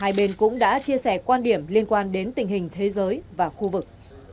hai bên cũng đã chia sẻ quan điểm liên quan đến tình hình thế giới và khu vực